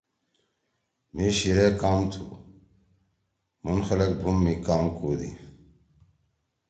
مھی شیِرے کام تُھو۔ مُھن خلگ بُھوم می کام کودی۔